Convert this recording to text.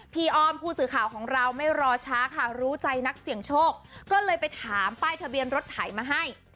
อ้อมผู้สื่อข่าวของเราไม่รอช้าค่ะรู้ใจนักเสี่ยงโชคก็เลยไปถามป้ายทะเบียนรถไถมาให้